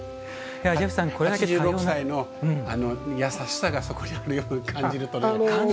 ８６歳の優しさがそこにあるように感じる鳥で。